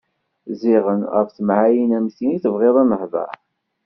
Ziɣen ɣef temɛayin am ti i tebɣiḍ ad nehder.